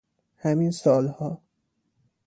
همین سال ها